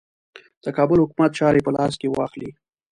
د کابل حکومت چاري په لاس کې واخلي.